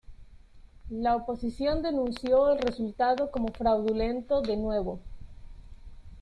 La oposición denunció el resultado como fraudulento de nuevo.